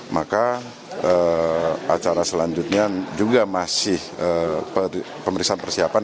maka acara selanjutnya juga masih pemeriksaan persiapan